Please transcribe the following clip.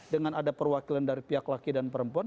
dengan ada perwakilan dari pihak laki dan perempuan